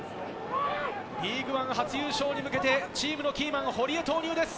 リーグワン初優勝に向けて、チームのキーマン、堀江投入です。